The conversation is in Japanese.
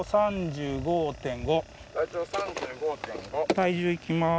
体重いきます。